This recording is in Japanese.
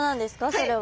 それは。